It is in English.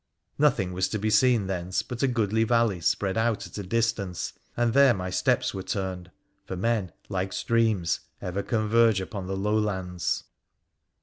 Nothing was to be seen thence but a goodly valley spread out at a distance, and there my steps were turned — for men, like streams, ever converge upon the lowlands.